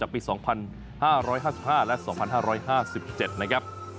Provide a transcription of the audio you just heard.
ปี๒๕๕๕และ๒๕๕๗นะครับ